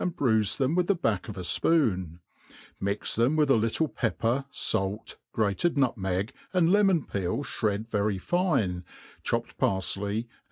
bruife them with the back of a fpoon; mix them with a little pepper, fait, grated nutmeg, and lemon peel (bred very fine, chopped parfley, and